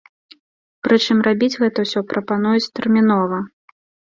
Прычым рабіць гэта ўсё прапануюць тэрмінова.